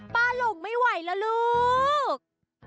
ป้าหลงไม่ไหวล่ะลูก